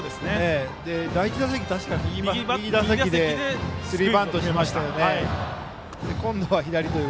第１打席、右打席でスリーバントを決めましたよね。